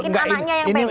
mungkin anaknya yang pengen